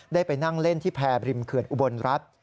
ได้ไปนั่งเล่นที่แพรบริมเขื่อนอุบลรัฐ